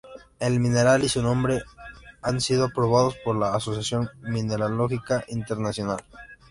El mineral y su nombre han sido aprobados por la Asociación Mineralógica Internacional.